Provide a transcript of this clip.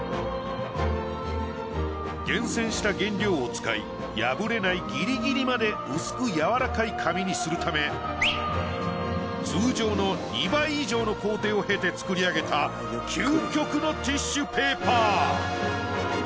厳選した原料を使い破れないギリギリまで薄く柔らかい紙にするため通常の２倍以上の工程を経て作り上げた究極のティッシュペーパー。